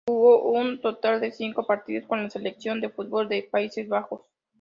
Jugó un total de cinco partidos con la selección de fútbol de Países Bajos.